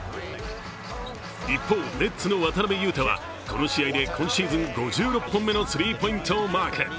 一方、ネッツの渡邊雄太はこの試合で今シーズン５６本目のスリーポイントをマーク。